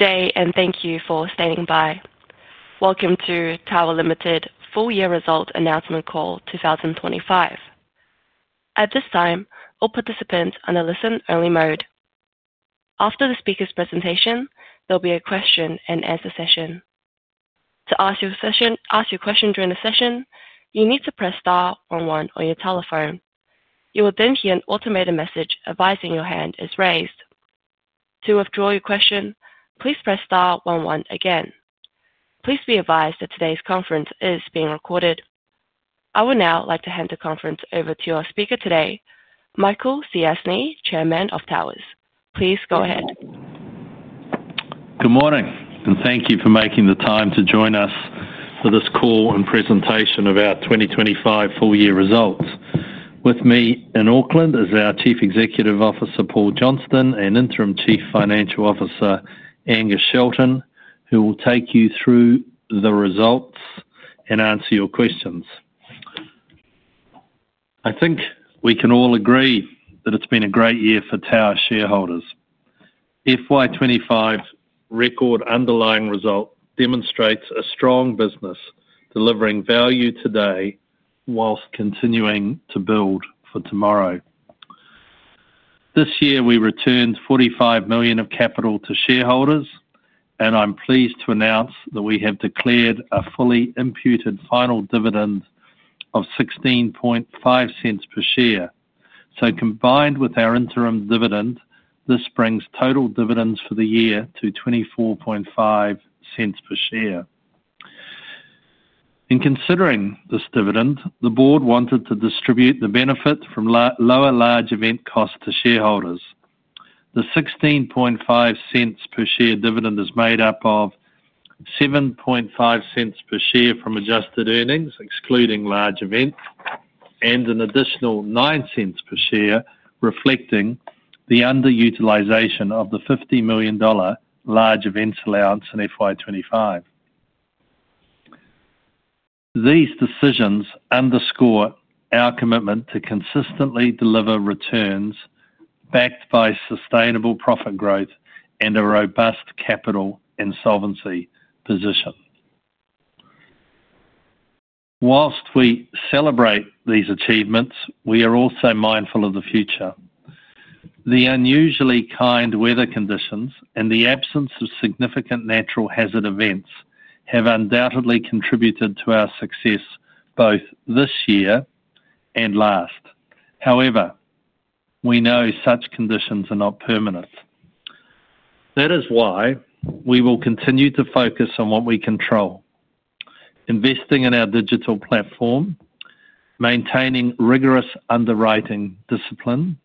Day and thank you for standing by. Welcome to Tower Limited's Full-Year Result Announcement Call 2025. At this time, all participants are in a listen-only mode. After the speaker's presentation, there'll be a question and answer session. To ask your question during the session, you need to press star one one on your telephone. You will then hear an automated message advising your hand is raised. To withdraw your question, please press star one one again. Please be advised that today's conference is being recorded. I would now like to hand the conference over to our speaker today, Michael Stiassny, Chairman of Tower. Please go ahead. Good morning, and thank you for making the time to join us for this call and presentation of our 2025 Full-Year Results. With me in Auckland is our Chief Executive Officer, Paul Johnston, and Interim Chief Financial Officer, Angus Shelton, who will take you through the results and answer your questions. I think we can all agree that it's been a great year for Tower shareholders. FY 2025 record underlying result demonstrates a strong business delivering value today whilst continuing to build for tomorrow. This year, we returned 45 million of capital to shareholders, and I'm pleased to announce that we have declared a fully imputed final dividend of 16.5 per share. Combined with our interim dividend, this brings total dividends for the year to 24.5 per share. In considering this dividend, the board wanted to distribute the benefit from lower large event costs to shareholders. The 16.5 per share dividend is made up of 7.5 per share from adjusted earnings, excluding large events, and an additional 0.9 per share, reflecting the underutilization of the NZD 50 million large events allowance in FY 2025. These decisions underscore our commitment to consistently deliver returns backed by sustainable profit growth and a robust capital insolvency position. Whilst we celebrate these achievements, we are also mindful of the future. The unusually kind weather conditions and the absence of significant natural hazard events have undoubtedly contributed to our success both this year and last. However, we know such conditions are not permanent. That is why we will continue to focus on what we control: investing in our digital platform, maintaining rigorous underwriting discipline,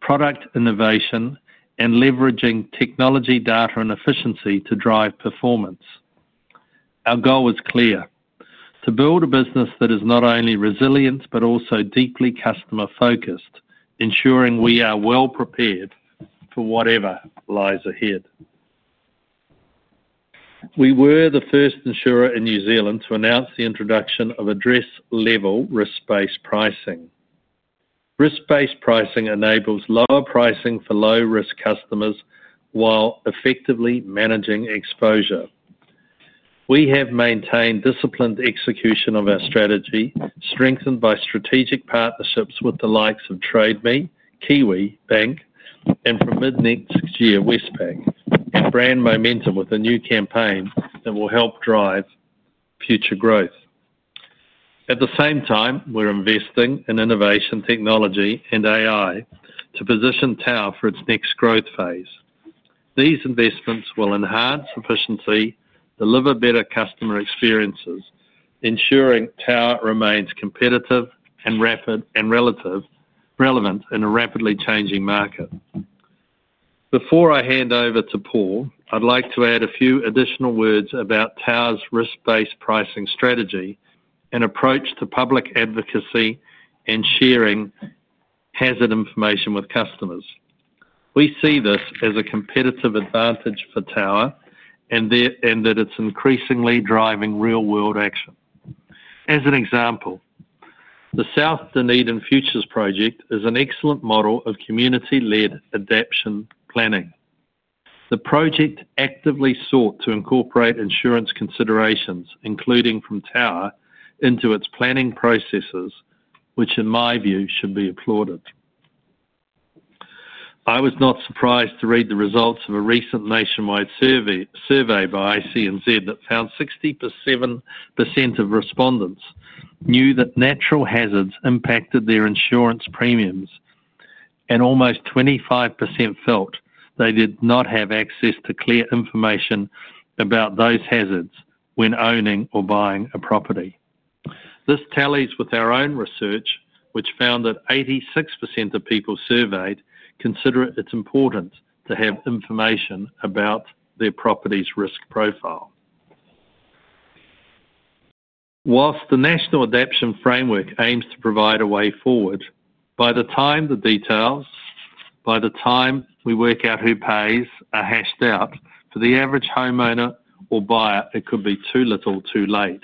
product innovation, and leveraging technology, data, and efficiency to drive performance. Our goal is clear: to build a business that is not only resilient but also deeply customer-focused, ensuring we are well prepared for whatever lies ahead. We were the first insurer in New Zealand to announce the introduction of address-level risk-based pricing. Risk-based pricing enables lower pricing for low-risk customers while effectively managing exposure. We have maintained disciplined execution of our strategy, strengthened by strategic partnerships with the likes of Trade Me, Kiwibank, and from mid-next year Westpac, and brand momentum with a new campaign that will help drive future growth. At the same time, we're investing in innovation, technology, and AI to position Tower for its next growth phase. These investments will enhance efficiency, deliver better customer experiences, ensuring Tower remains competitive and relevant in a rapidly changing market. Before I hand over to Paul, I'd like to add a few additional words about Tower's risk-based pricing strategy and approach to public advocacy and sharing hazard information with customers. We see this as a competitive advantage for Tower and that it's increasingly driving real-world action. As an example, the South Dunedin Futures Project is an excellent model of community-led adaptation planning. The project actively sought to incorporate insurance considerations, including from Tower, into its planning processes, which in my view should be applauded. I was not surprised to read the results of a recent nationwide survey by CNZ that found 67% of respondents knew that natural hazards impacted their insurance premiums, and almost 25% felt they did not have access to clear information about those hazards when owning or buying a property. This tallies with our own research, which found that 86% of people surveyed consider it important to have information about their property's risk profile. Whilst the national adaption framework aims to provide a way forward, by the time the details, by the time we work out who pays, are hashed out for the average homeowner or buyer, it could be too little or too late.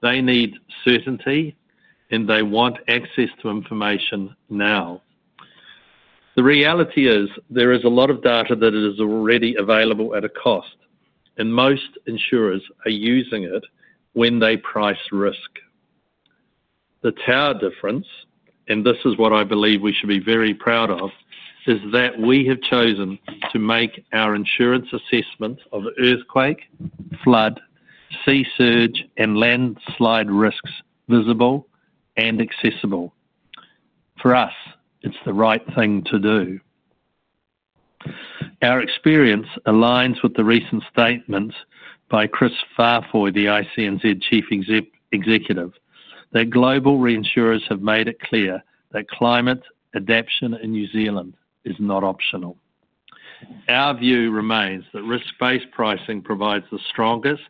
They need certainty, and they want access to information now. The reality is there is a lot of data that is already available at a cost, and most insurers are using it when they price risk. The Tower difference, and this is what I believe we should be very proud of, is that we have chosen to make our insurance assessments of earthquake, flood, sea surge, and landslide risks visible and accessible. For us, it's the right thing to do. Our experience aligns with the recent statements by Kris Faafoi of the ICNZ Chief Executive that global reinsurers have made it clear that climate adaption in New Zealand is not optional. Our view remains that risk-based pricing provides the strongest,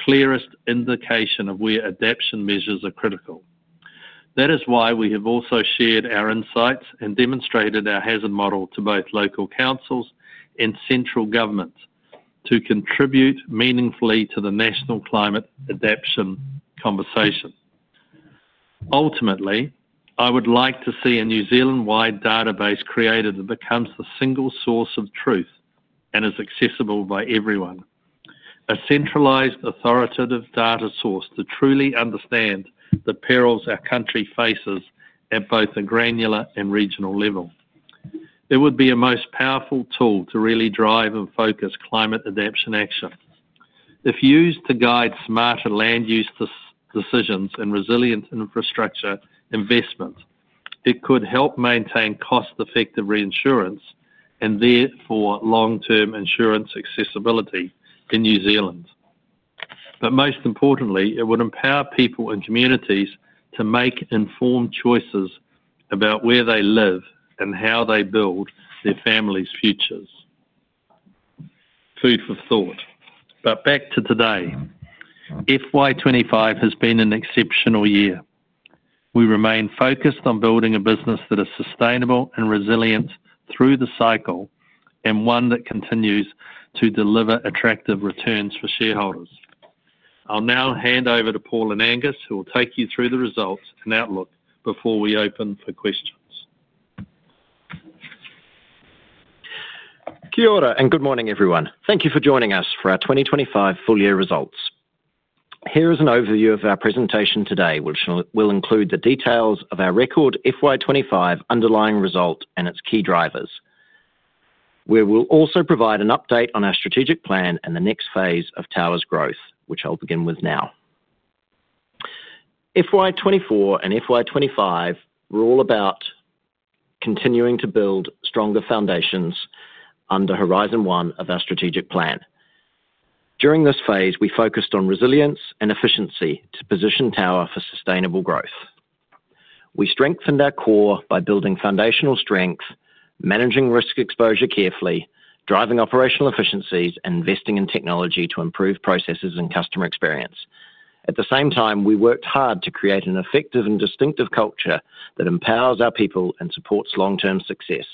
clearest indication of where adaption measures are critical. That is why we have also shared our insights and demonstrated our hazard model to both local councils and central governments to contribute meaningfully to the national climate adaption conversation. Ultimately, I would like to see a New Zealand-wide database created that becomes the single source of truth and is accessible by everyone. A centralized authoritative data source that truly understand the perils our country faces at both a granular and regional level. It would be a most powerful tool to really drive and focus climate adaption action. If used to guide smarter land use decisions and resilient infrastructure investment, it could help maintain cost-effective reinsurance and therefore long-term insurance accessibility in New Zealand. Most importantly, it would empower people and communities to make informed choices about where they live and how they build their family's futures. Food for thought. Back to today, FY 2025 has been an exceptional year. We remain focused on building a business that is sustainable and resilient through the cycle and one that continues to deliver attractive returns for shareholders. I'll now hand over to Paul and Angus, who will take you through the results and outlook before we open for questions. Kia ora and good morning, everyone. Thank you for joining us for our 2025 Full-Year Results. Here is an overview of our presentation today, which will include the details of our record FY 2025 underlying result and its key drivers. We will also provide an update on our strategic plan and the next phase of Tower's growth, which I'll begin with now. FY 2024 and FY 2025 were all about continuing to build stronger foundations under Horizon 1 of our strategic plan. During this phase, we focused on resilience and efficiency to position Tower for sustainable growth. We strengthened our core by building foundational strength, managing risk exposure carefully, driving operational efficiencies, and investing in technology to improve processes and customer experience. At the same time, we worked hard to create an effective and distinctive culture that empowers our people and supports long-term success.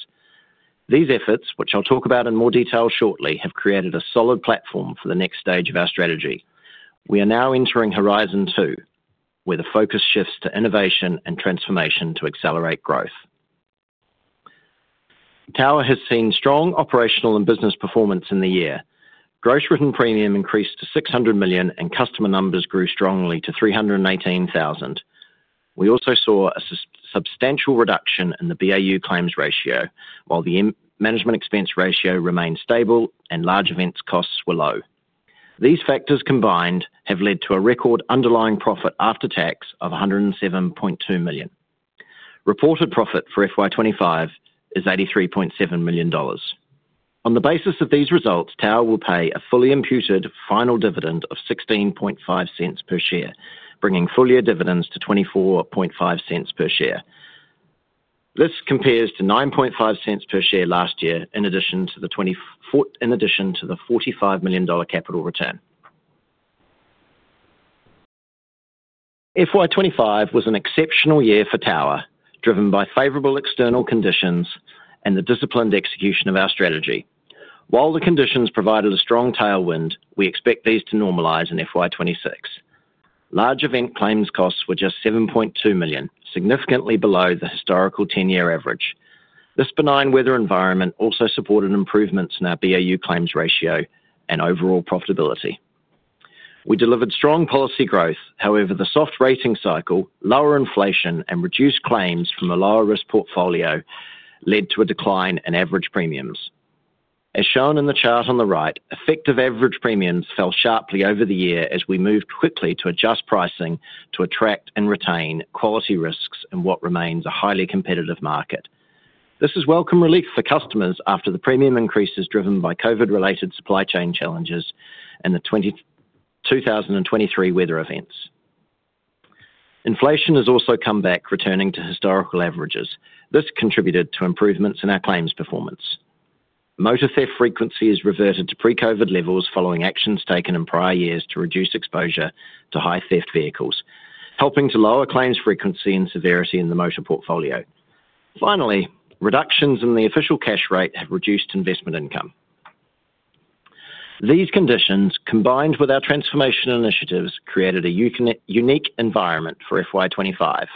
These efforts, which I'll talk about in more detail shortly, have created a solid platform for the next stage of our strategy. We are now entering Horizon 2, where the focus shifts to innovation and transformation to accelerate growth. Tower has seen strong operational and business performance in the year. Gross written premium increased to 600 million, and customer numbers grew strongly to 318,000. We also saw a substantial reduction in the BAU claims ratio, while the management expense ratio remained stable and large events costs were low. These factors combined have led to a record underlying profit after tax of 107.2 million. Reported profit for FY 2025 is 83.7 million dollars. On the basis of these results, Tower will pay a fully imputed final dividend of 16.5 per share, bringing full-year dividends to 24.5 per share. This compares to 9.5 cents per share last year in addition to the 45 million dollar capital return. FY 2025 was an exceptional year for Tower, driven by favorable external conditions and the disciplined execution of our strategy. While the conditions provided a strong tailwind, we expect these to normalize in FY 2026. Large event claims costs were just 7.2 million, significantly below the historical 10-year average. This benign weather environment also supported improvements in our BAU claims ratio and overall profitability. We delivered strong policy growth; however, the soft rating cycle, lower inflation, and reduced claims from a lower-risk portfolio led to a decline in average premiums. As shown in the chart on the right, effective average premiums fell sharply over the year as we moved quickly to adjust pricing to attract and retain quality risks in what remains a highly competitive market. This is welcome relief for customers after the premium increases driven by COVID-related supply chain challenges and the 2023 weather events. Inflation has also come back, returning to historical averages. This contributed to improvements in our claims performance. Motor theft frequency has reverted to pre-COVID levels following actions taken in prior years to reduce exposure to high theft vehicles, helping to lower claims frequency and severity in the motor portfolio. Finally, reductions in the official cash rate have reduced investment income. These conditions, combined with our transformation initiatives, created a unique environment for FY 2025.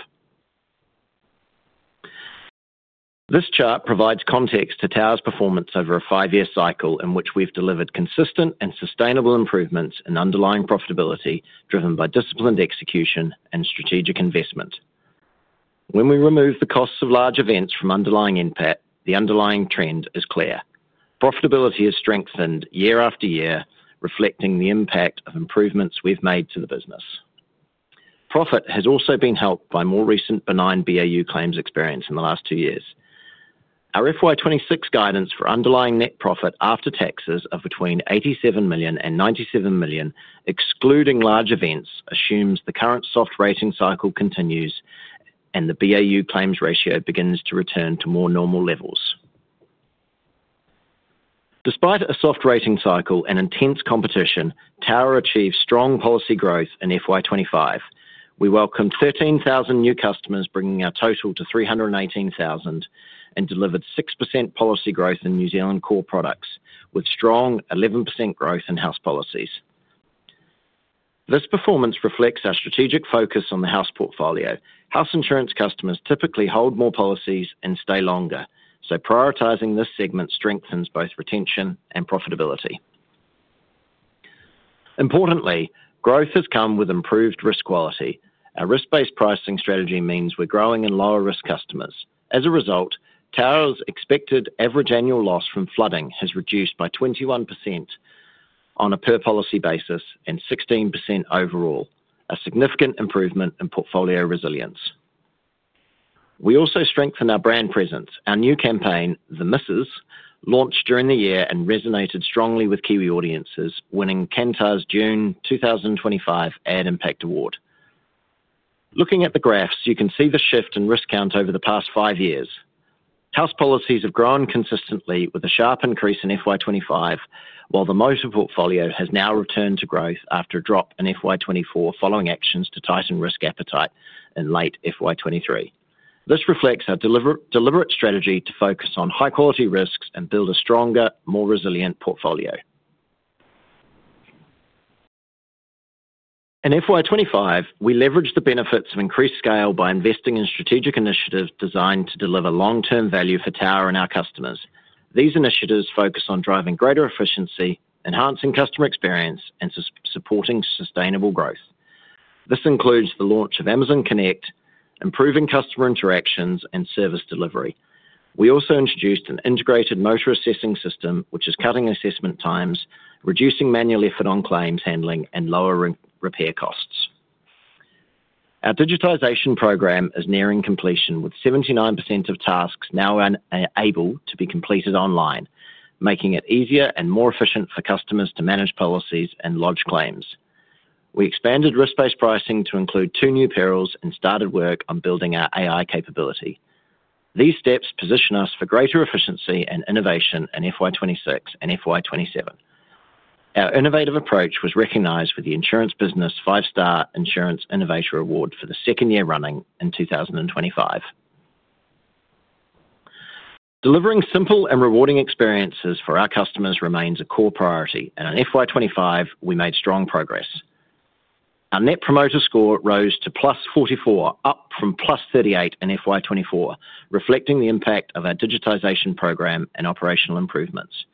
This chart provides context to Tower's performance over a five-year cycle in which we've delivered consistent and sustainable improvements in underlying profitability driven by disciplined execution and strategic investment. When we remove the costs of large events from underlying impact, the underlying trend is clear. Profitability has strengthened year after year, reflecting the impact of improvements we've made to the business. Profit has also been helped by more recent benign BAU claims experience in the last two years. Our FY 2026 guidance for underlying net profit after tax of between 87 million and 97 million, excluding large events, assumes the current soft rating cycle continues and the BAU claims ratio begins to return to more normal levels. Despite a soft rating cycle and intense competition, Tower achieved strong policy growth in FY 2025. We welcomed 13,000 new customers, bringing our total to 318,000 and delivered 6% policy growth in New Zealand core products, with strong 11% growth in house policies. This performance reflects our strategic focus on the house portfolio. House insurance customers typically hold more policies and stay longer, so prioritizing this segment strengthens both retention and profitability. Importantly, growth has come with improved risk quality. Our risk-based pricing strategy means we're growing in lower-risk customers. As a result, Tower's expected average annual loss from flooding has reduced by 21% on a per-policy basis and 16% overall, a significant improvement in portfolio resilience. We also strengthen our brand presence. Our new campaign, The Misses, launched during the year and resonated strongly with Kiwi audiences, winning Kantar's June 2025 Ad Impact Award. Looking at the graphs, you can see the shift in risk count over the past five years. House policies have grown consistently with a sharp increase in FY 2025, while the motor portfolio has now returned to growth after a drop in FY 2024 following actions to tighten risk appetite in late FY 2023. This reflects our deliberate strategy to focus on high-quality risks and build a stronger, more resilient portfolio. In FY 2025, we leveraged the benefits of increased scale by investing in strategic initiatives designed to deliver long-term value for Tower and our customers. These initiatives focus on driving greater efficiency, enhancing customer experience, and supporting sustainable growth. This includes the launch of Amazon Connect, improving customer interactions, and service delivery. We also introduced an integrated motor assessing system, which is cutting assessment times, reducing manual effort on claims handling and lowering repair costs. Our digitization program is nearing completion, with 79% of tasks now able to be completed online, making it easier and more efficient for customers to manage policies and lodge claims. We expanded risk-based pricing to include two new perils and started work on building our AI capability. These steps position us for greater efficiency and innovation in FY 2026 and FY 2027. Our innovative approach was recognized with the Insurance Business Five Star Insurance Innovator Award for the second year running in 2025. Delivering simple and rewarding experiences for our customers remains a core priority, and in FY 2025, we made strong progress. Our net promoter score rose to +44, up from +38 in FY 2024, reflecting the impact of our digitization program and operational improvements.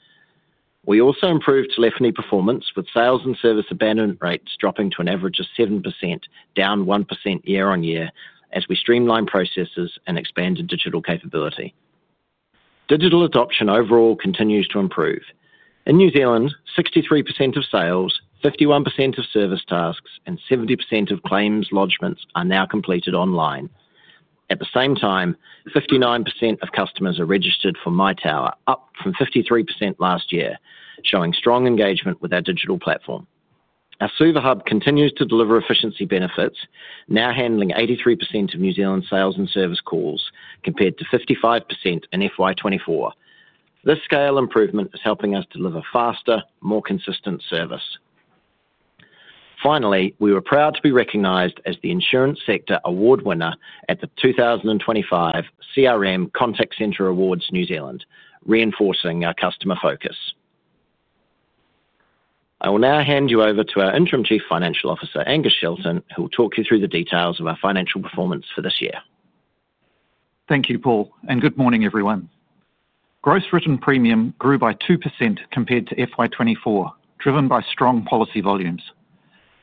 We also improved telephony performance, with sales and service abandonment rates dropping to an average of 7%, down 1% year-on-year, as we streamlined processes and expanded digital capability. Digital adoption overall continues to improve. In New Zealand, 63% of sales, 51% of service tasks, and 70% of claims lodgments are now completed online. At the same time, 59% of customers are registered for MyTower, up from 53% last year, showing strong engagement with our digital platform. Our SuvaHub continues to deliver efficiency benefits, now handling 83% of New Zealand sales and service calls, compared to 55% in FY 2024. This scale improvement is helping us deliver faster, more consistent service. Finally, we were proud to be recognized as the Insurance Sector Award Winner at the 2025 CRM Contact Center Awards New Zealand, reinforcing our customer focus. I will now hand you over to our Interim Chief Financial Officer, Angus Shelton, who will talk you through the details of our financial performance for this year. Thank you, Paul, and good morning, everyone. Gross written premium grew by 2% compared to FY 2024, driven by strong policy volumes.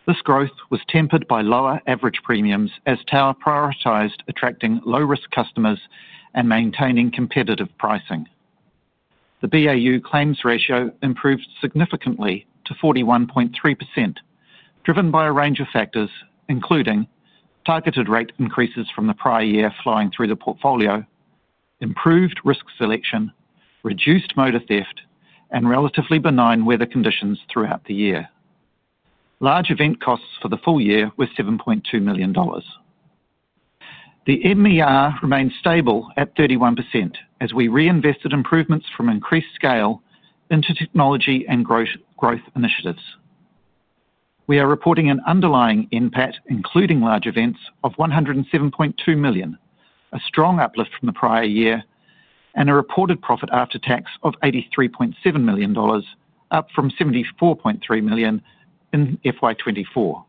This growth was tempered by lower average premiums as Tower prioritized attracting low-risk customers and maintaining competitive pricing. The BAU claims ratio improved significantly to 41.3%, driven by a range of factors, including targeted rate increases from the prior year flowing through the portfolio, improved risk selection, reduced motor theft, and relatively benign weather conditions throughout the year. Large event costs for the full year were 7.2 million dollars. The MER remained stable at 31% as we reinvested improvements from increased scale into technology and growth initiatives. We are reporting an underlying impact, including large events, of 107.2 million, a strong uplift from the prior year, and a reported profit after tax of 83.7 million dollars, up from 74.3 million in FY 2024.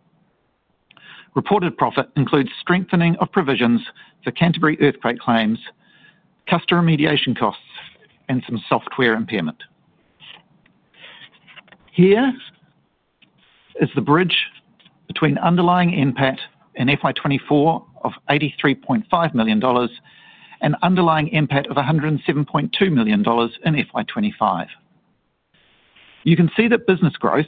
Reported profit includes strengthening of provisions for Canterbury earthquake claims, customer mediation costs, and some software impairment. Here is the bridge between underlying impact in FY 2024 of 83.5 million dollars and underlying impact of 107.2 million dollars in FY2025. You can see that business growth,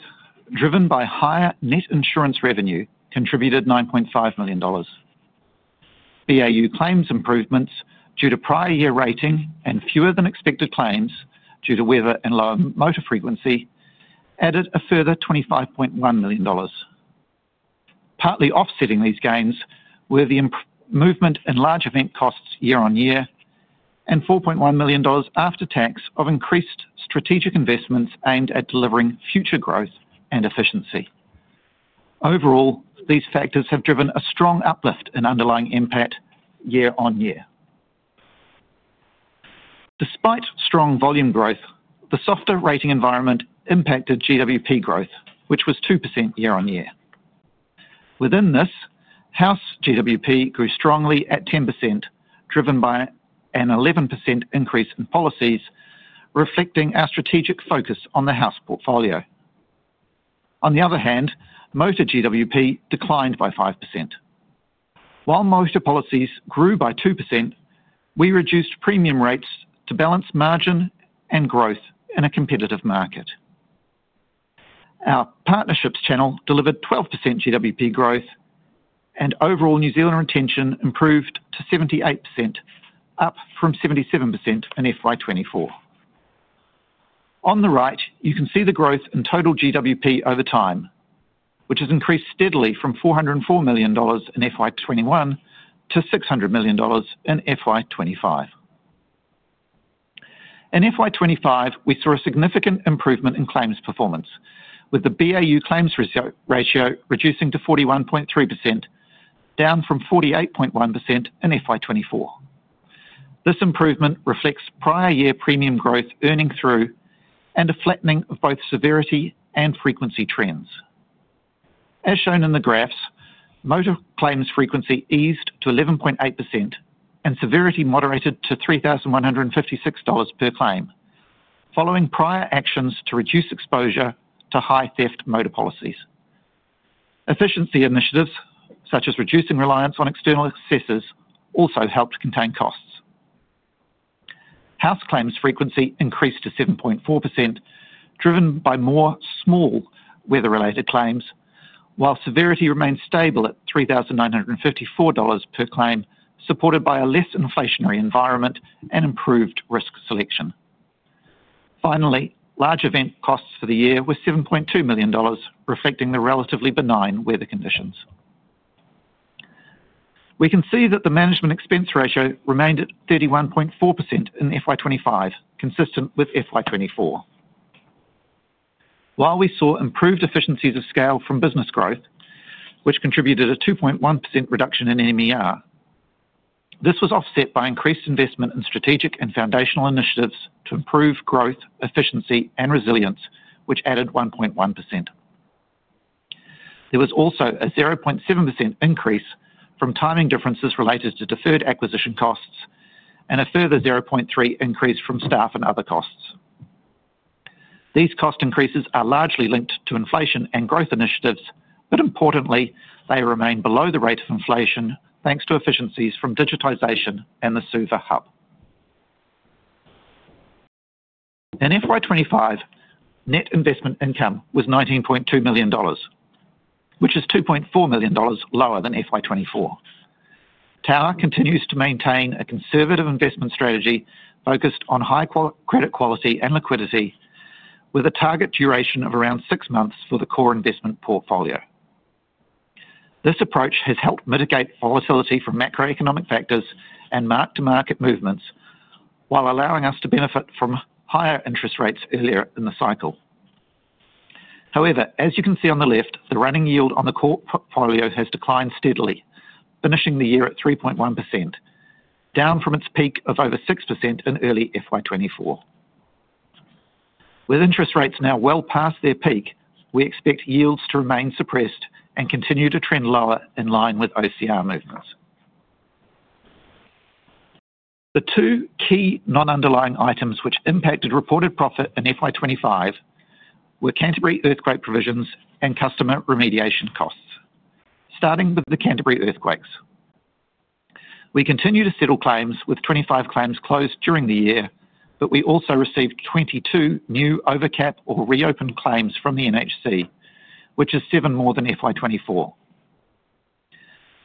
driven by higher net insurance revenue, contributed 9.5 million dollars. BAU claims improvements due to prior year rating and fewer than expected claims due to weather and lower motor frequency added a further 25.1 million dollars. Partly offsetting these gains were the movement in large event costs year-on-year and NZD 4.1 million after tax of increased strategic investments aimed at delivering future growth and efficiency. Overall, these factors have driven a strong uplift in underlying impact year-on-year. Despite strong volume growth, the software rating environment impacted GWP growth, which was 2% year on year. Within this, House GWP grew strongly at 10%, driven by an 11% increase in policies, reflecting our strategic focus on the house portfolio. On the other hand, motor GWP declined by 5%. While motor policies grew by 2%, we reduced premium rates to balance margin and growth in a competitive market. Our partnerships channel delivered 12% GWP growth, and overall New Zealand retention improved to 78%, up from 77% in FY 2024. On the right, you can see the growth in total GWP over time, which has increased steadily from 404 million dollars in FY 2021 to 600 million dollars in FY 2025. In FY 2025, we saw a significant improvement in claims performance, with the BAU claims ratio reducing to 41.3%, down from 48.1% in FY 2024. This improvement reflects prior year premium growth earning through and a flattening of both severity and frequency trends. As shown in the graphs, motor claims frequency eased to 11.8% and severity moderated to 3,156 dollars per claim, following prior actions to reduce exposure to high theft motor policies. Efficiency initiatives, such as reducing reliance on external assessors, also helped contain costs. House claims frequency increased to 7.4%, driven by more small weather-related claims, while severity remained stable at 3,954 dollars per claim, supported by a less inflationary environment and improved risk selection. Finally, large event costs for the year were 7.2 million dollars, reflecting the relatively benign weather conditions. We can see that the management expense ratio remained at 31.4% in FY 2025, consistent with FY 2024. While we saw improved efficiencies of scale from business growth, which contributed a 2.1% reduction in MER, this was offset by increased investment in strategic and foundational initiatives to improve growth, efficiency, and resilience, which added 1.1%. There was also a 0.7% increase from timing differences related to deferred acquisition costs and a further 0.3% increase from staff and other costs. These cost increases are largely linked to inflation and growth initiatives, but importantly, they remain below the rate of inflation thanks to efficiencies from digitization and the SuvaHub. In FY 2025, net investment income was 19.2 million dollars, which is 2.4 million dollars lower than FY 2024. Tower continues to maintain a conservative investment strategy focused on high credit quality and liquidity, with a target duration of around six months for the core investment portfolio. This approach has helped mitigate volatility from macroeconomic factors and mark-to-market movements while allowing us to benefit from higher interest rates earlier in the cycle. However, as you can see on the left, the running yield on the core portfolio has declined steadily, finishing the year at 3.1%, down from its peak of over 6% in early FY 2024. With interest rates now well past their peak, we expect yields to remain suppressed and continue to trend lower in line with OCR movements. The two key non-underlying items which impacted reported profit in FY 2025 were Canterbury earthquake provisions and customer remediation costs, starting with the Canterbury earthquakes. We continue to settle claims with 25 claims closed during the year, but we also received 22 new overcap or reopened claims from the NHC, which is seven more than FY 2024.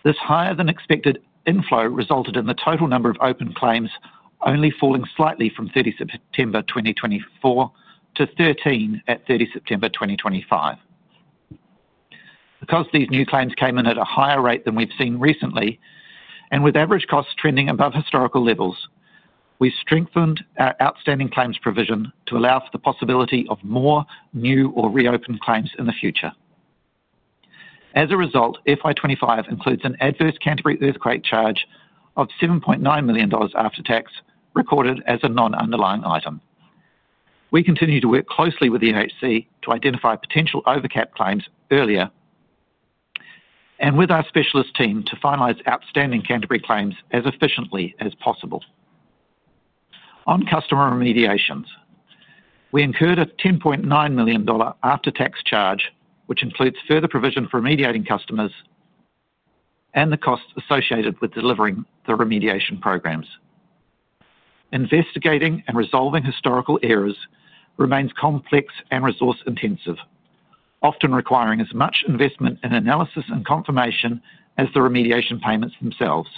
This higher-than-expected inflow resulted in the total number of open claims only falling slightly from 30 September 2024 to 13 at 30 September 2025. Because these new claims came in at a higher rate than we've seen recently, and with average costs trending above historical levels, we strengthened our outstanding claims provision to allow for the possibility of more new or reopened claims in the future. As a result, FY 2025 includes an adverse Canterbury earthquake charge of 7.9 million dollars after tax recorded as a non-underlying item. We continue to work closely with the NHC to identify potential overcap claims earlier and with our specialist team to finalize outstanding Canterbury claims as efficiently as possible. On customer remediation's, we incurred a 10.9 million dollar after-tax charge, which includes further provision for remediating customers and the costs associated with delivering the remediation programs. Investigating and resolving historical errors remains complex and resource-intensive, often requiring as much investment in analysis and confirmation as the remediation payments themselves.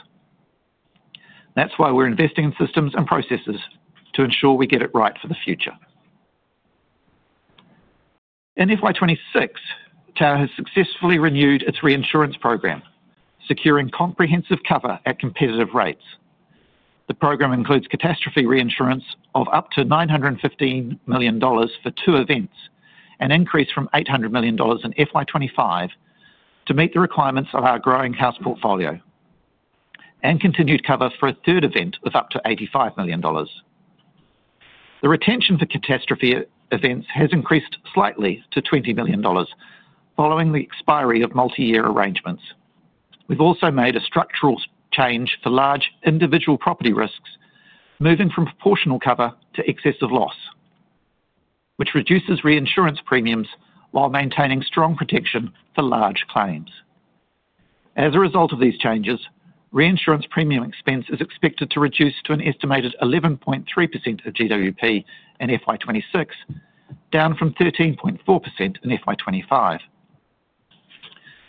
That's why we're investing in systems and processes to ensure we get it right for the future. In FY 2026, Tower has successfully renewed its reinsurance program, securing comprehensive cover at competitive rates. The program includes catastrophe reinsurance of up to 915 million dollars for two events, an increase from 800 million dollars in FY 2025 to meet the requirements of our growing house portfolio, and continued cover for a third event of up to 85 million dollars. The retention for catastrophe events has increased slightly to 20 million dollars, following the expiry of multi-year arrangements. We've also made a structural change for large individual property risks, moving from proportional cover to excessive loss, which reduces reinsurance premiums while maintaining strong protection for large claims. As a result of these changes, reinsurance premium expense is expected to reduce to an estimated 11.3% of GWP in FY 2026, down from 13.4% in FY 2025.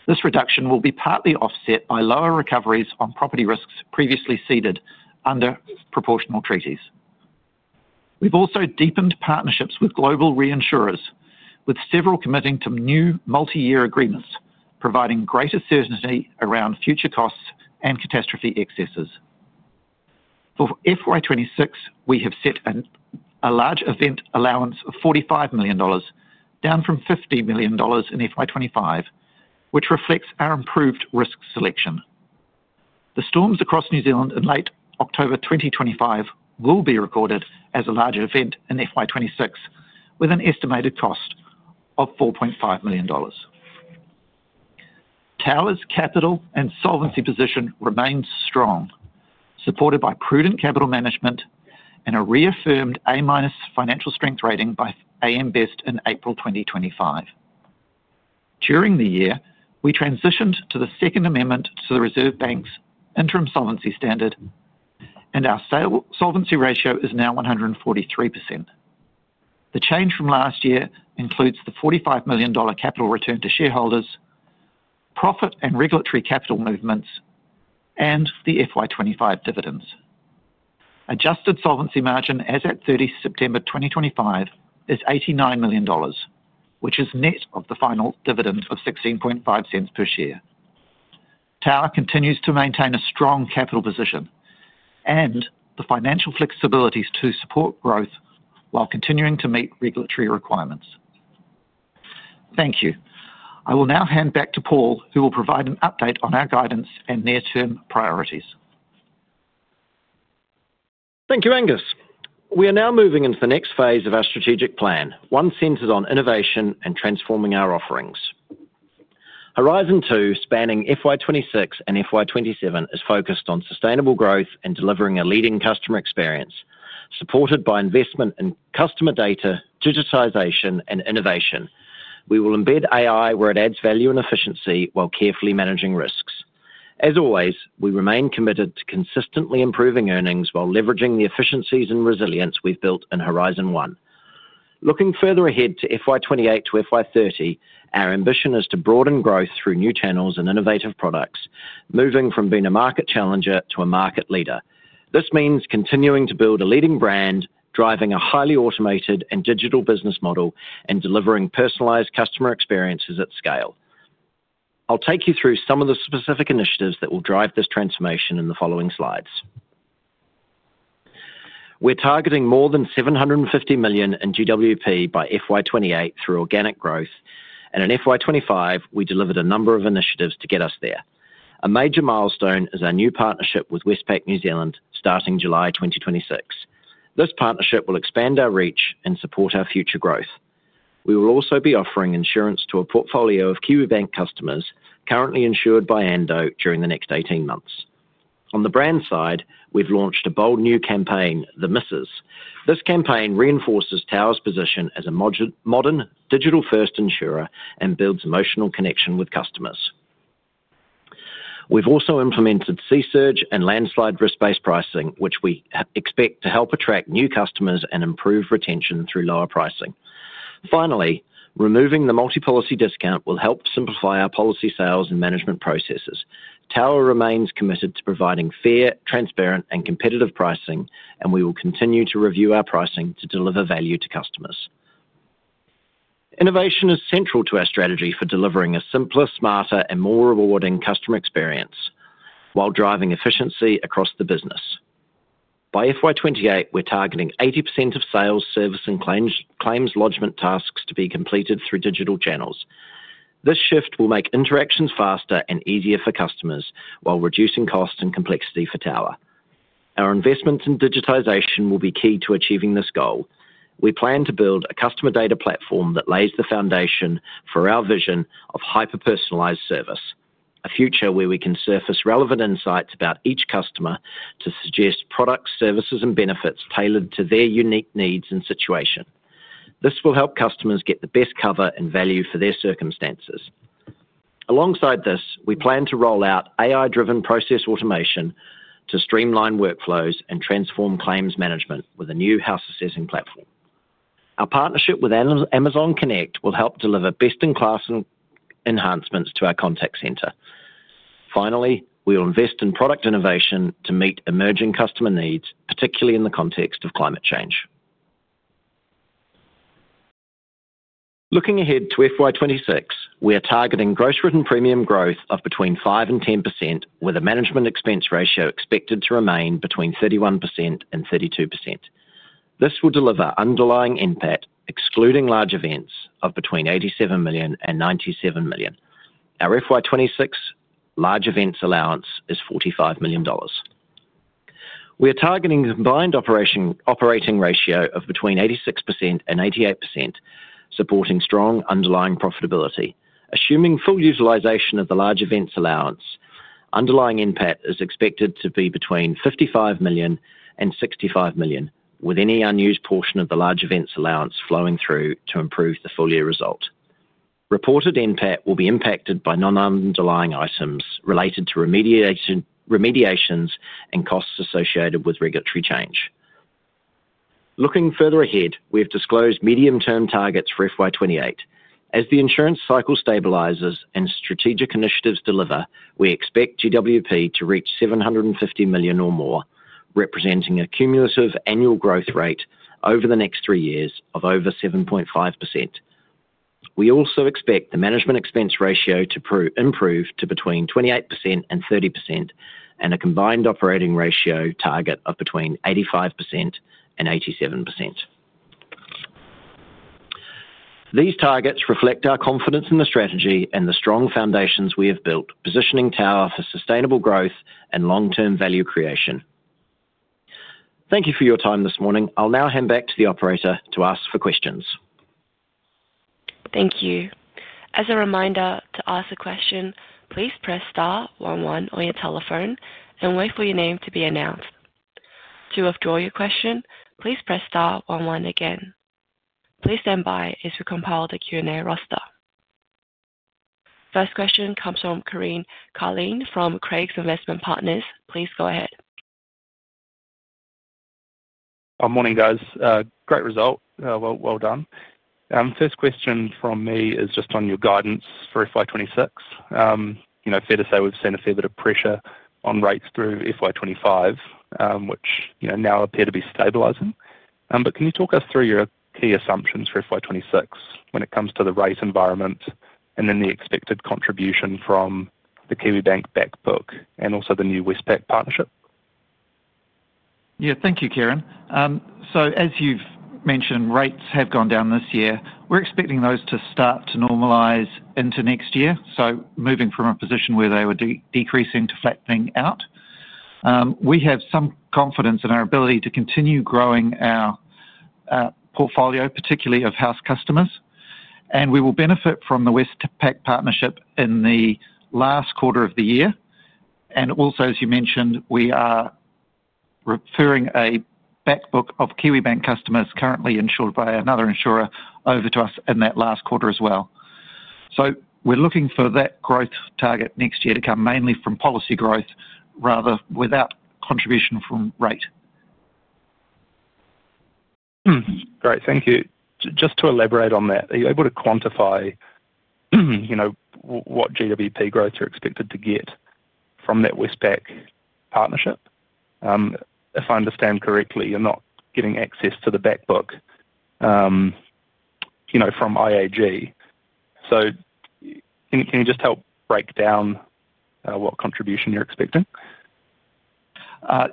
This reduction will be partly offset by lower recoveries on property risks previously ceded under proportional treaties. We've also deepened partnerships with global reinsurers, with several committing to new multi-year agreements, providing greater certainty around future costs and catastrophe excesses. For FY 2026, we have set a large event allowance of 45 million dollars, down from 50 million dollars in FY 2025, which reflects our improved risk selection. The storms across New Zealand in late October 2025 will be recorded as a larger event in FY 2026, with an estimated cost of 4.5 million dollars. Tower's capital and solvency position remains strong, supported by prudent capital management and a reaffirmed A-minus financial strength rating by AM Best in April 2025. During the year, we transitioned to the Second Amendment to the Reserve Bank's interim solvency standard, and our solvency ratio is now 143%. The change from last year includes the 45 million dollar capital return to shareholders, profit and regulatory capital movements, and the FY 2025 dividends. Adjusted solvency margin as at 30 September 2025 is NZD 89 million, which is net of the final dividend of 16.5 per share. Tower continues to maintain a strong capital position and the financial flexibilities to support growth while continuing to meet regulatory requirements. Thank you. I will now hand back to Paul, who will provide an update on our guidance and near-term priorities. Thank you, Angus. We are now moving into the next phase of our strategic plan, one centered on innovation and transforming our offerings. Horizon 2, spanning FY 2026 and FY 2027, is focused on sustainable growth and delivering a leading customer experience, supported by investment in customer data, digitization, and innovation. We will embed AI where it adds value and efficiency while carefully managing risks. As always, we remain committed to consistently improving earnings while leveraging the efficiencies and resilience we've built in Horizon 1. Looking further ahead to FY 2028 to FY 2030, our ambition is to broaden growth through new channels and innovative products, moving from being a market challenger to a market leader. This means continuing to build a leading brand, driving a highly automated and digital business model, and delivering personalized customer experiences at scale. I'll take you through some of the specific initiatives that will drive this transformation in the following slides. We're targeting more than 750 million in GWP by FY 2028 through organic growth, and in FY 2025, we delivered a number of initiatives to get us there. A major milestone is our new partnership with Westpac New Zealand starting July 2026. This partnership will expand our reach and support our future growth. We will also be offering insurance to a portfolio of Kiwibank customers currently insured by Ando during the next 18 months. On the brand side, we've launched a bold new campaign, The Misses. This campaign reinforces Tower's position as a modern, digital-first insurer and builds emotional connection with customers. We've also implemented sea surge and landslide risk-based pricing, which we expect to help attract new customers and improve retention through lower pricing. Finally, removing the multi-policy discount will help simplify our policy sales and management processes. Tower remains committed to providing fair, transparent, and competitive pricing, and we will continue to review our pricing to deliver value to customers. Innovation is central to our strategy for delivering a simpler, smarter, and more rewarding customer experience while driving efficiency across the business. By FY2 028, we're targeting 80% of sales, service, and claims lodgment tasks to be completed through digital channels. This shift will make interactions faster and easier for customers while reducing cost and complexity for Tower. Our investments in digitization will be key to achieving this goal. We plan to build a customer data platform that lays the foundation for our vision of hyper-personalized service, a future where we can surface relevant insights about each customer to suggest products, services, and benefits tailored to their unique needs and situation. This will help customers get the best cover and value for their circumstances. Alongside this, we plan to roll out AI-driven process automation to streamline workflows and transform claims management with a new house assessing platform. Our partnership with Amazon Connect will help deliver best-in-class enhancements to our contact center. Finally, we'll invest in product innovation to meet emerging customer needs, particularly in the context of climate change. Looking ahead to FY 2026, we are targeting gross written premium growth of between 5% and 10%, with a management expense ratio expected to remain between 31% and 32%. This will deliver underlying impact, excluding large events, of between 87 million and 97 million. Our FY 2026 large events allowance is 45 million dollars. We are targeting a combined operating ratio of between 86% and 88%, supporting strong underlying profitability. Assuming full utilization of the large events allowance, underlying impact is expected to be between 55 million and 65 million, with any unused portion of the large events allowance flowing through to improve the full year result. Reported impact will be impacted by non-underlying items related to remediation's and costs associated with regulatory change. Looking further ahead, we've disclosed medium-term targets for FY 2028. As the insurance cycle stabilizes and strategic initiatives deliver, we expect GWP to reach 750 million or more, representing a cumulative annual growth rate over the next three years of over 7.5%. We also expect the management expense ratio to improve to between 28% and 30%, and a combined operating ratio target of between 85% and 87%. These targets reflect our confidence in the strategy and the strong foundations we have built, positioning Tower for sustainable growth and long-term value creation. Thank you for your time this morning. I'll now hand back to the operator to ask for questions. Thank you. As a reminder to ask a question, please press star one one on your telephone and wait for your name to be announced. To withdraw your question, please press star one one again. Please stand by as we compile the Q&A roster. First question comes from Kieran Carling from Craigs Investment Partners. Please go ahead. Good morning, guys. Great result. Well done. First question from me is just on your guidance for FY 2026. You know, fair to say we've seen a fair bit of pressure on rates through FY 2025, which, you know, now appear to be stabilizing. But can you talk us through your key assumptions for FY 2026 when it comes to the rate environment and then the expected contribution from the Kiwibank bankbook and also the new Westpac partnership? Yeah, thank you, Keiran. As you've mentioned, rates have gone down this year. We're expecting those to start to normalize into next year, moving from a position where they were decreasing to flattening out. We have some confidence in our ability to continue growing our portfolio, particularly of house customers, and we will benefit from the Westpac partnership in the last quarter of the year. Also, as you mentioned, we are referring a bankbook of Kiwibank customers currently insured by another insurer over to us in that last quarter as well. We are looking for that growth target next year to come mainly from policy growth rather than without contribution from rate. Great, thank you. Just to elaborate on that, are you able to quantify, you know, what GWP growth you're expected to get from that Westpac partnership? If I understand correctly, you're not getting access to the bankbook, you know, from IAG. Can you just help break down what contribution you're expecting?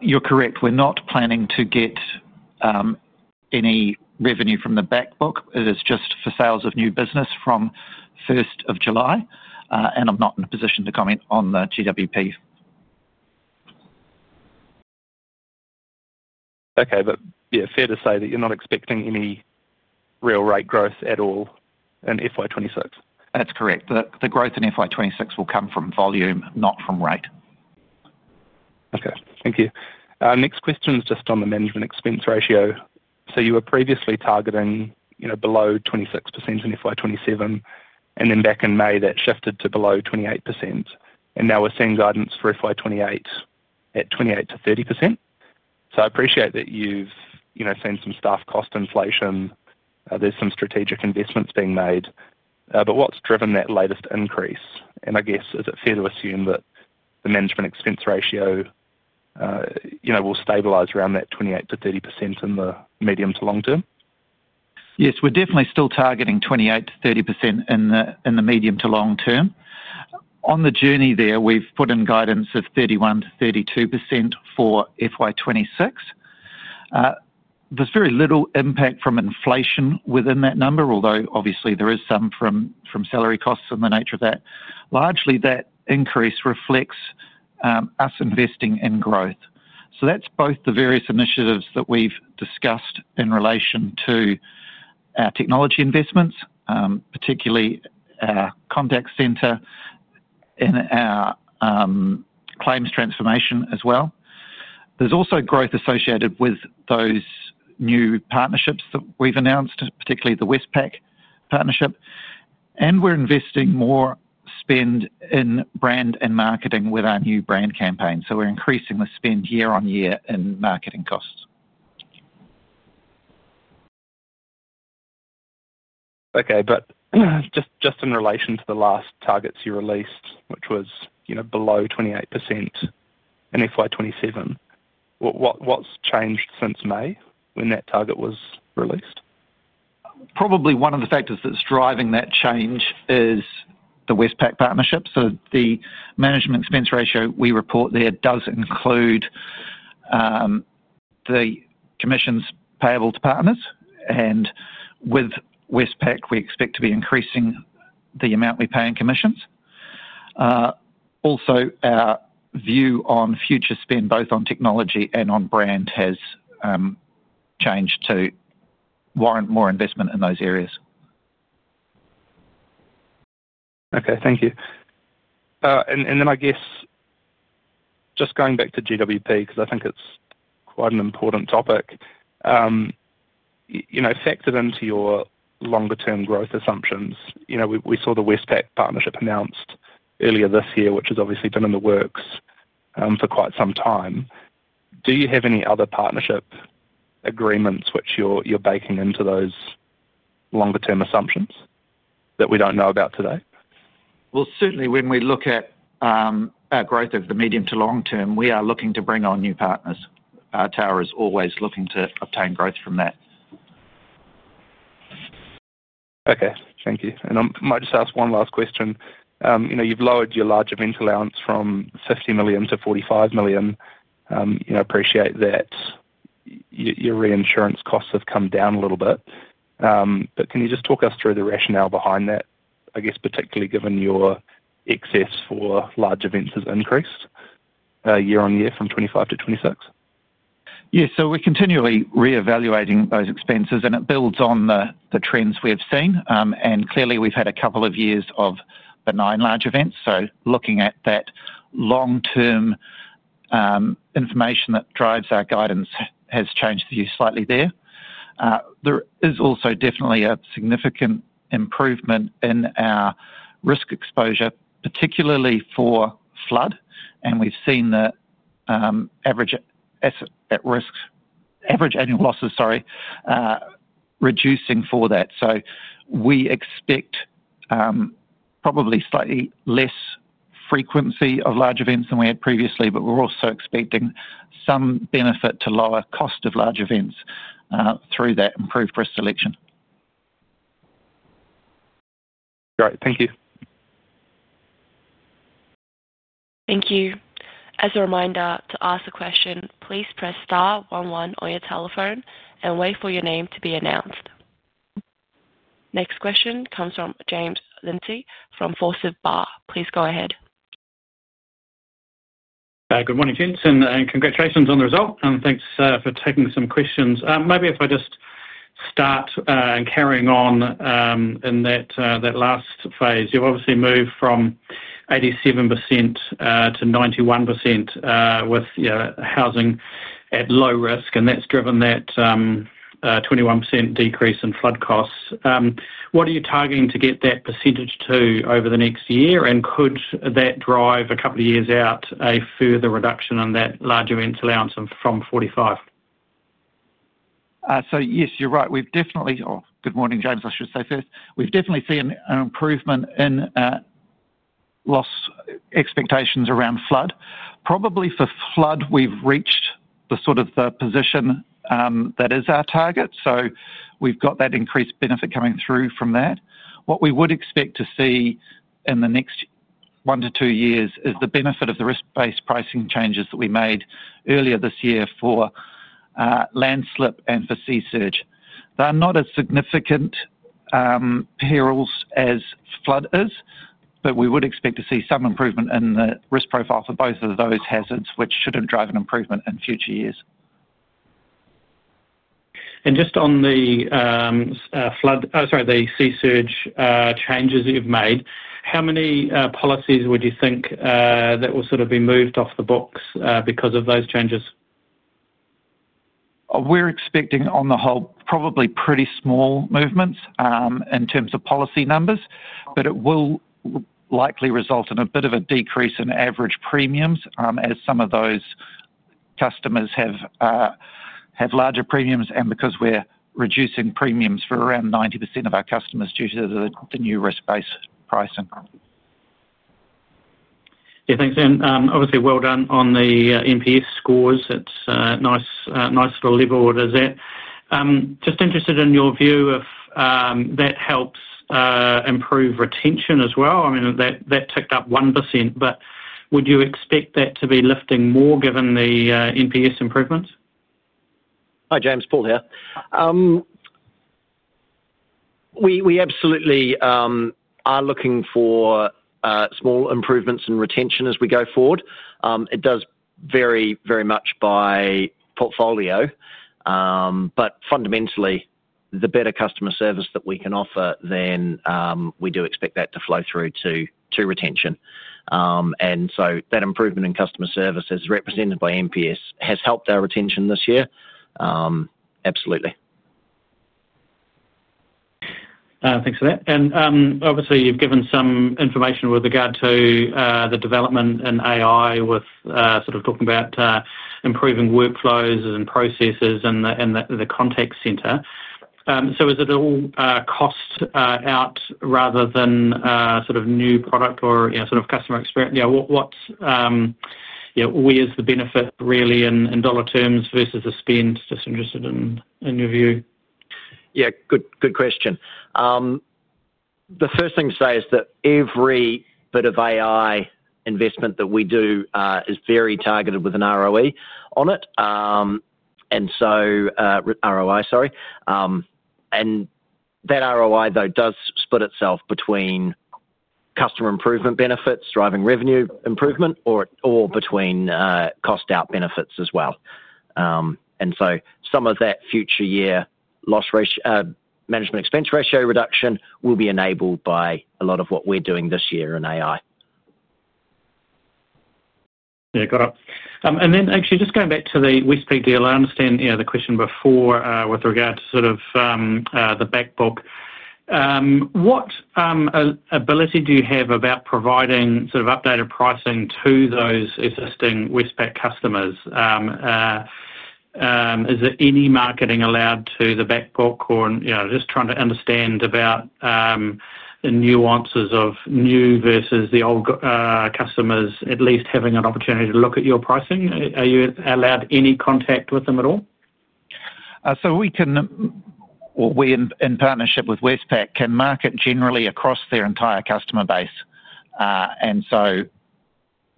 You're correct. We're not planning to get any revenue from the bankbook. It is just for sales of new business from 1st of July, and I'm not in a position to comment on the GWP. Okay, but yeah, fair to say that you're not expecting any real rate growth at all in FY 2026? That's correct. The growth in FY 2026 will come from volume, not from rate. Okay, thank you. Next question is just on the management expense ratio. You were previously targeting, you know, below 26% in FY 2027, and then back in May that shifted to below 28%, and now we're seeing guidance for FY 2028 at 28% to 30%. I appreciate that you've, you know, seen some staff cost inflation. There's some strategic investments being made, but what's driven that latest increase? I guess, is it fair to assume that the management expense ratio, you know, will stabilize around that 28% to 30% in the medium to long term? Yes, we're definitely still targeting 28% to 30% in the medium to long term. On the journey there, we've put in guidance of 31% to 32% for FY 2026. There's very little impact from inflation within that number, although obviously there is some from salary costs and the nature of that. Largely, that increase reflects us investing in growth. That is both the various initiatives that we've discussed in relation to our technology investments, particularly our contact center and our claims transformation as well. There's also growth associated with those new partnerships that we've announced, particularly the Westpac partnership, and we're investing more spend in brand and marketing with our new brand campaign. We're increasing the spend year on year in marketing costs. Okay, but just in relation to the last targets you released, which was, you know, below 28% in FY 2027, what's changed since May when that target was released? Probably one of the factors that's driving that change is the Westpac partnership. The management expense ratio we report there does include the commissions payable to partners, and with Westpac, we expect to be increasing the amount we pay in commissions. Also, our view on future spend, both on technology and on brand, has changed to warrant more investment in those areas. Okay, thank you. I guess just going back to GWP, because I think it's quite an important topic, you know, factored into your longer-term growth assumptions, you know, we saw the Westpac partnership announced earlier this year, which has obviously been in the works for quite some time. Do you have any other partnership agreements which you're baking into those longer-term assumptions that we don't know about today? Certainly when we look at our growth over the medium to long term, we are looking to bring on new partners. Tower is always looking to obtain growth from that. Okay, thank you. I might just ask one last question. You know, you've lowered your large event allowance from 50 million to 45 million. I appreciate that your reinsurance costs have come down a little bit, but can you just talk us through the rationale behind that, I guess, particularly given your excess for large events has increased year-on-year from 2025 to 2026? Yeah, we are continually reevaluating those expenses, and it builds on the trends we have seen. Clearly, we've had a couple of years of benign large events. Looking at that long-term information that drives our guidance has changed the view slightly there. There is also definitely a significant improvement in our risk exposure, particularly for flood, and we've seen the average asset at risk, average annual losses, sorry, reducing for that. We expect probably slightly less frequency of large events than we had previously, but we're also expecting some benefit to lower cost of large events through that improved risk selection. Great, thank you. Thank you. As a reminder to ask a question, please press star one one on your telephone and wait for your name to be announced. Next question comes from James Lindsay from Forsyth Barr. Please go ahead. Good morning, Augus, and congratulations on the result, and thanks for taking some questions. Maybe if I just start and carry on in that last phase, you've obviously moved from 87% to 91% with housing at low risk, and that's driven that 21% decrease in flood costs. What are you targeting to get that percentage to over the next year, and could that drive a couple of years out a further reduction in that large event allowance from 45%? Yes, you're right. We've definitely, oh, good morning, James, I should say first. We've definitely seen an improvement in loss expectations around flood. Probably for flood, we've reached the sort of the position that is our target, so we've got that increased benefit coming through from that. What we would expect to see in the next one to two years is the benefit of the risk-based pricing changes that we made earlier this year for landslope and for sea surge. They're not as significant perils as flood is, but we would expect to see some improvement in the risk profile for both of those hazards, which should drive an improvement in future years. Just on the flood, sorry, the sea surge changes you've made, how many policies would you think that will sort of be moved off the books because of those changes? We're expecting on the whole probably pretty small movements in terms of policy numbers, but it will likely result in a bit of a decrease in average premiums as some of those customers have larger premiums and because we're reducing premiums for around 90% of our customers due to the new risk-based pricing. Yeah, thanks, Then obviously, well done on the NPS scores. It's a nice little level it is at. Just interested in your view if that helps improve retention as well. I mean, that ticked up 1%, but would you expect that to be lifting more given the NPS improvements? Hi, James, Paul here. We absolutely are looking for small improvements in retention as we go forward. It does vary very much by portfolio, but fundamentally, the better customer service that we can offer, then we do expect that to flow through to retention. That improvement in customer service as represented by NPS has helped our retention this year. Absolutely. Thanks for that. Obviously, you've given some information with regard to the development and AI with sort of talking about improving workflows and processes and the contact center. Is it all cost out rather than sort of new product or sort of customer experience? Yeah, where's the benefit really in dollar terms versus the spend? Just interested in your view. Yeah, good question. The first thing to say is that every bit of AI investment that we do is very targeted with an ROI on it. That ROI, though, does split itself between customer improvement benefits, driving revenue improvement, or between cost-out benefits as well. Some of that future year loss management expense ratio reduction will be enabled by a lot of what we're doing this year in AI. Yeah, got it. Actually, just going back to the Westpac deal, I understand the question before with regard to sort of the bankbook. What ability do you have about providing sort of updated pricing to those existing Westpac customers? Is there any marketing allowed to the bankbook or just trying to understand about the nuances of new versus the old customers, at least having an opportunity to look at your pricing? Are you allowed any contact with them at all? We can, or we in partnership with Westpac can market generally across their entire customer base.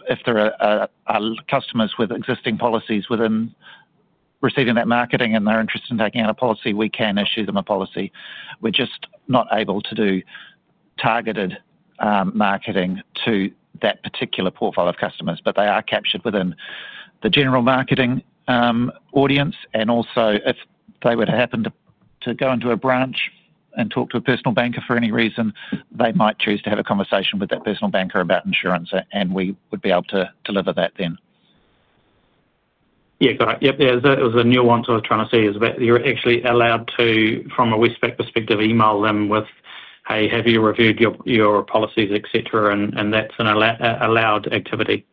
If there are customers with existing policies within receiving that marketing and they're interested in taking out a policy, we can issue them a policy. We're just not able to do targeted marketing to that particular portfolio of customers, but they are captured within the general marketing audience. Also, if they were to happen to go into a branch and talk to a personal banker for any reason, they might choose to have a conversation with that personal banker about insurance, and we would be able to deliver that then. Yeah, got it. Yep, yeah, it was a nuance I was trying to see is that you're actually allowed to, from a Westpac perspective, email them with, "hey, have you reviewed your policies, etc.?" And that's an allowed activity.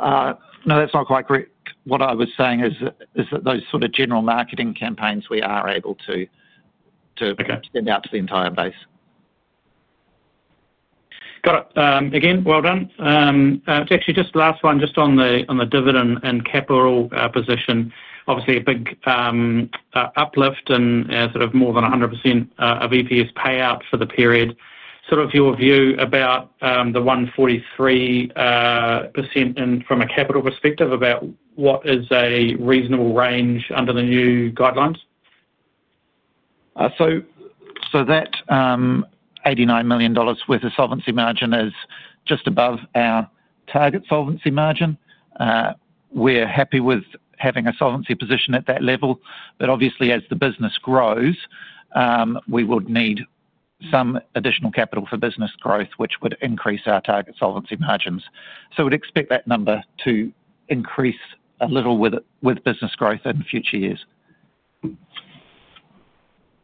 No, that's not quite correct. What I was saying is that those sort of general marketing campaigns we are able to send out to the entire base. Got it. Again, well done. It's actually just the last one, just on the dividend and capital position. Obviously, a big uplift in sort of more than 100% of EPS payout for the period. Sort of your view about the 143% from a capital perspective, about what is a reasonable range under the new guidelines? So that $89 million worth of solvency margin is just above our target solvency margin. We're happy with having a solvency position at that level, but obviously as the business grows, we would need some additional capital for business growth, which would increase our target solvency margins. We would expect that number to increase a little with business growth in future years.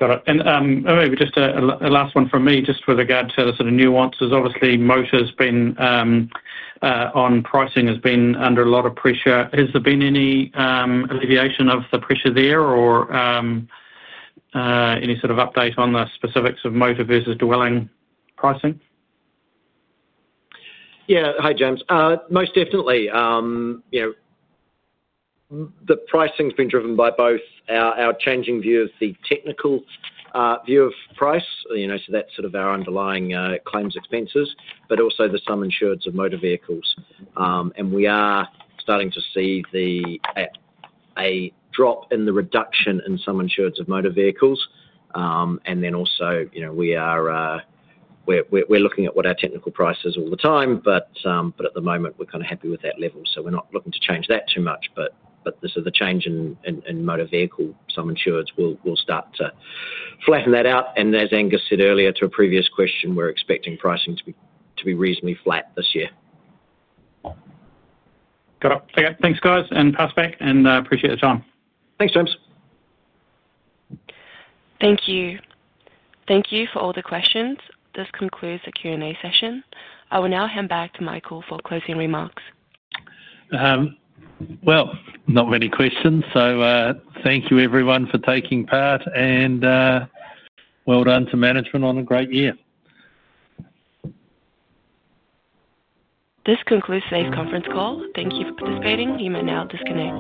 Got it. Maybe just a last one from me, just with regard to the sort of nuances. Obviously, Motor's been on pricing has been under a lot of pressure. Has there been any alleviation of the pressure there or any sort of update on the specifics of Motor versus dwelling pricing? Yeah, hi, James. Most definitely. The pricing has been driven by both our changing view of the technical view of price, so that's sort of our underlying claims expenses, but also the sum insureds of motor vehicles. We are starting to see a drop in the reduction in some insureds of motor vehicles. We are looking at what our technical price is all the time, but at the moment we are kind of happy with that level. We are not looking to change that too much, but this is the change in motor vehicle some insureds. We will start to flatten that out. As Angus said earlier to a previous question, we are expecting pricing to be reasonably flat this year. Got it. Thanks, guys, and pass back, and appreciate the time. Thanks, James. Thank you. Thank you for all the questions. This concludes the Q&A session. I will now hand back to Michael for closing remarks. Not many questions, so thank you everyone for taking part, and well done to management on a great year. This concludes today's conference call. Thank you for participating. You may now disconnect.